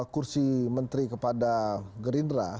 kursi menteri kepada gerindra